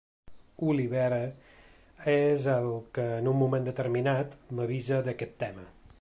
Olivera és el que en un moment determinat m’avisa d’aquest tema.